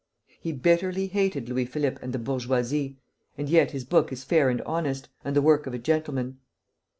He bitterly hated Louis Philippe and the bourgeoisie, and yet his book is fair and honest, and the work of a gentleman.